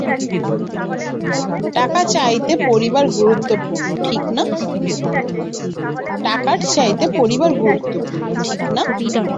টাকার চাইতে পরিবার গুরুত্বপূর্ণ, ঠিক না?